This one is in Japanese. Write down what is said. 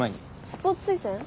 スポーツ推薦？